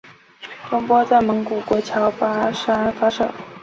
中波在蒙古国乔巴山发射。